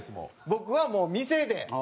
僕はもう店で。